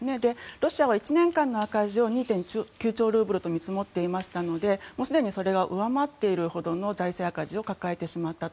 ロシアは１年間の赤字を２．９兆ルーブルと見積もっていましたのですでにそれを上回っているほどの財政赤字を抱えてしまったと。